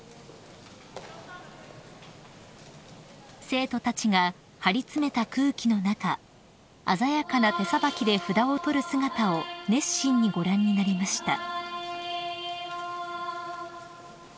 ［生徒たちが張り詰めた空気の中鮮やかな手さばきで札を取る姿を熱心にご覧になりました］